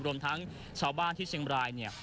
รวมทั้งชาวบ้านที่เชียงบรายเนี่ย